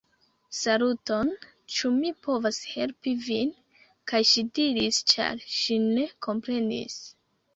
Saluton? Ĉu mi povas helpi vin? kaj ŝi diris, ĉar ŝi ne komprenis: